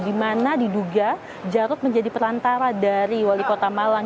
di mana diduga jarod menjadi perantara dari wali kota malang